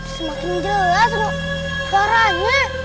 semakin jelas kok suaranya